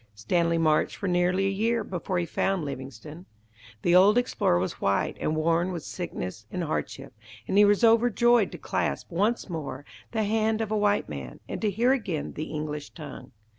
Stanley marched for nearly a year before he found Livingstone. The old explorer was white and worn with sickness and hardship, and he was overjoyed to clasp once more the hand of a white man, and to hear again the English tongue.